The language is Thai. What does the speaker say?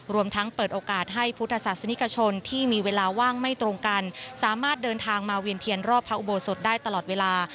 รวมทั้งเปิดโอกาสให้พุทธศาสนิกชนที่มีเวลาว่างไม่ตรงกันสามารถเดินทางมาเวียนเทียนรอบพระอุโบสถได้ตลอดเวลา